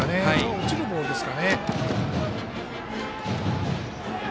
落ちるボールですかね。